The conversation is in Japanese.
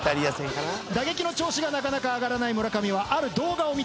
・打撃の調子が上がらない村上はある動画を見ていた。